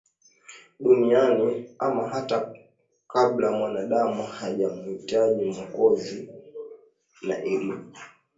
duniani ama hata kabla Mwanadamu hajamwitaji Mwokozi na ilitakaswa ili iwe siku Maalum ya